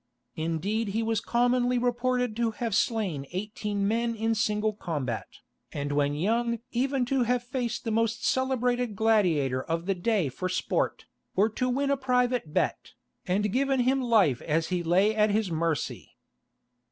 Indeed he was commonly reported to have slain eighteen men in single combat, and when young even to have faced the most celebrated gladiator of the day for sport, or to win a private bet, and given him life as he lay at his mercy.